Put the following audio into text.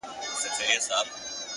د زړه سکون له سم وجدان راځي.!